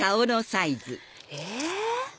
え！